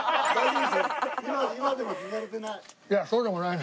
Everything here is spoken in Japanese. いやそうでもない。